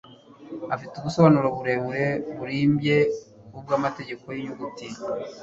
afite ubusobanuro burebure busLimbye ubw'amategeko y'inyuguti.